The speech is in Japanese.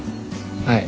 はい。